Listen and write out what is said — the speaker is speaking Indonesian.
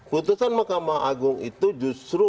putusan mahkamah agung itu justru